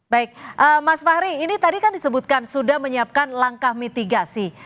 baik mas fahri ini tadi kan disebutkan sudah menyiapkan langkah mitigasi